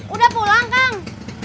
udah pulang kang